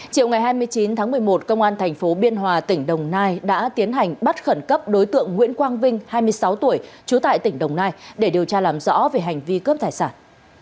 chiều ngày hai mươi chín tháng một mươi một công an thành phố biên hòa tỉnh đồng nai đã tiến hành bắt khẩn cấp đối tượng nguyễn quang vinh hai mươi sáu tuổi trú tại tỉnh đồng nai để điều tra làm rõ về hành vi cướp tài sản